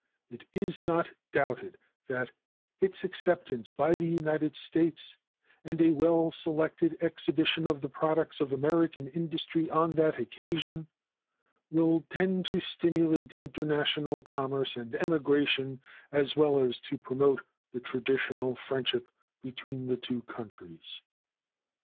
It is not doubted that its acceptance by the United States, and a well selected exhibition of the products of American industry on that occasion, will tend to stimulate international commerce and emigration, as well as to promote the traditional friendship between the two countries.